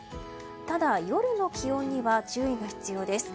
ただ、夜の気温には注意が必要です。